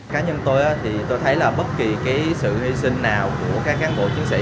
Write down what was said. cá nhân tôi thì tôi thấy là bất kỳ sự hy sinh nào của các cán bộ chiến sĩ